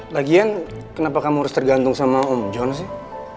lagian kenapa kamu harus tergantung sama om jon sih